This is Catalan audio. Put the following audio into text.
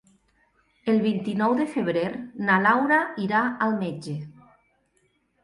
El vint-i-nou de febrer na Laura irà al metge.